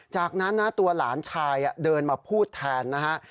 จากนั้นนะตัวหลานชายเดินมาพูดแทนนะฮะ